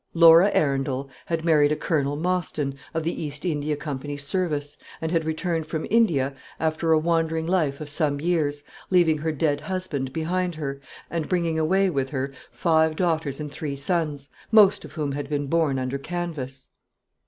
Laura Arundel had married a Colonel Mostyn, of the East India Company's service, and had returned from India after a wandering life of some years, leaving her dead husband behind her, and bringing away with her five daughters and three sons, most of whom had been born under canvas.